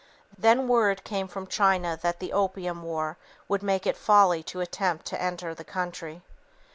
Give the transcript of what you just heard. Then word came from China that the "opium war" would make it folly to attempt to enter the country.